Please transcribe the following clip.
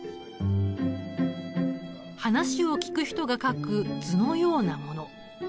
話を聞く人が書く図のようなもの。